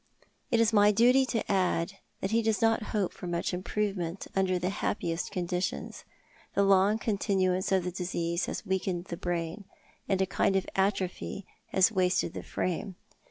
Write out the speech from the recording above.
"It is my duty to add that he does not hope for much improvement under the happiest conditions. The long con tinuance of the disease has weakened the brain, and a kind of atrophy has wasted the frame.